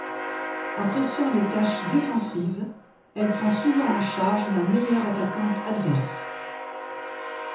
Appréciant les tâches défensives, elle prend souvent en charge la meilleure attaquante adverse.